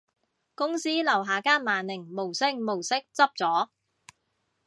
公司樓下間萬寧無聲無息執咗